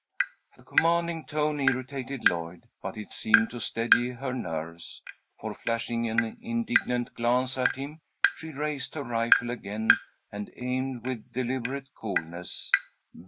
The commanding tone irritated Lloyd, but it seemed to steady her nerves, for, flashing an indignant glance at him, she raised her rifle again, and aimed it with deliberate coolness.